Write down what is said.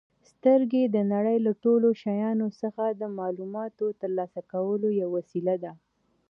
سترګې د نړۍ له ټولو شیانو څخه د معلوماتو ترلاسه کولو یوه وسیله ده.